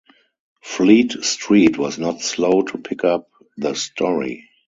Fleet Street was not slow to pick up the story.